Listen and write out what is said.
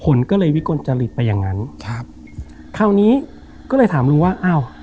ผลก็เลยวิกลจริตไปอย่างนั้นครับคราวนี้ก็เลยถามลุงว่าอ้าว